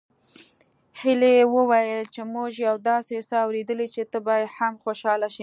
هيلې وويل چې موږ يو داسې څه اورېدلي چې ته به هم خوشحاله شې